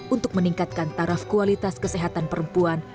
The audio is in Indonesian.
untuk meningkatkan taraf kualitas kesehatan perempuan